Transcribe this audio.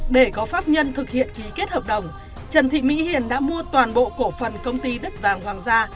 để có pháp nhân thực hiện ký kết hợp đồng trần thị mỹ hiền đã mua toàn bộ cổ phần công ty đất vàng hoàng gia